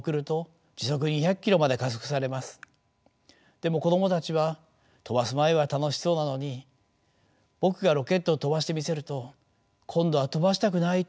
でも子どもたちは飛ばす前は楽しそうなのに僕がロケットを飛ばしてみせると今度は飛ばしたくないって言うんです。